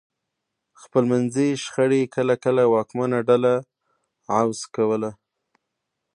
خپلمنځي شخړې کله کله واکمنه ډله عوض کوله.